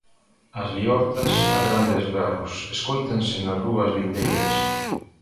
As liortas a grandes berros escóitanse nas rúas lindeiras.